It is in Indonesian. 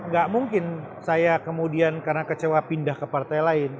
gak mungkin saya kemudian karena kecewa pindah ke partai lain